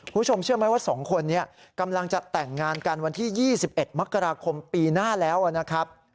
คุณผู้ชมเชื่อไหมว่า๒คนนี้กำลังจะแต่งงานกันวันที่๒๑มกราคมปีหน้าแล้วนะครับ